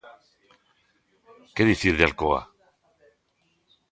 ¿Que dicir de Alcoa?